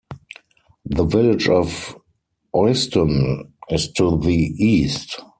The village of Euston is to the east.